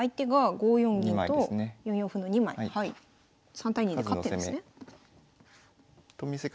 ３対２で勝ってるんですね。